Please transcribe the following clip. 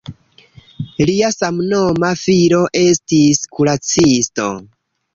Lia samnoma filo estis kuracisto.